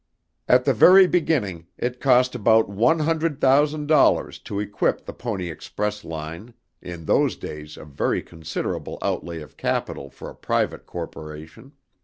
At the very beginning, it cost about one hundred thousand dollars to equip the Pony Express line in those days a very considerable outlay of capital for a private corporation.